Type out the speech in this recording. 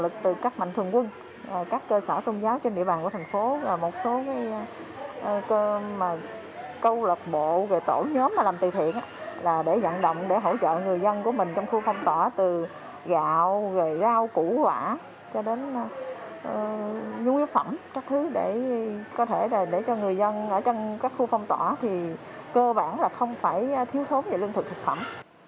có thể để cho người dân ở trong các khu phong tỏa thì cơ bản là không phải thiếu thốn về lương thực thực phẩm